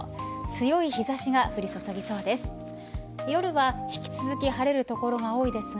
強い日差しが降り注ぎそうです。